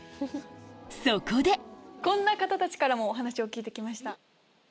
そこでこんな方たちからもお話を聞いて来ました。